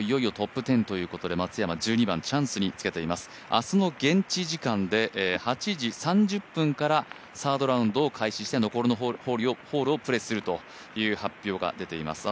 明日の現地時間で８時３０分からサードラウンドを開始して残りのホールをプレーするという発表が出ています。